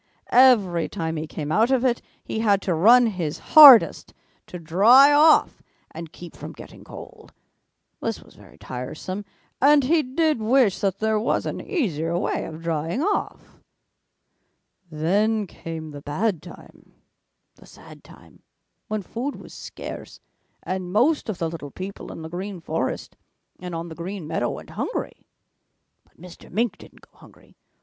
Every time he came out of it, he had to run his hardest to dry off and keep from getting cold. This was very tiresome and he did wish that there was an easier way of drying off. "Then came the bad time, the sad time, when food was scarce, and most of the little people in the Green Forest and on the Green Meadow went hungry. But Mr. Mink didn't go hungry.